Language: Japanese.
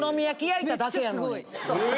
え！